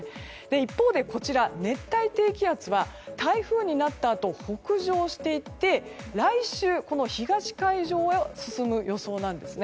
一方で熱帯低気圧は台風になったあと北上していって来週、東海上を進む予想です。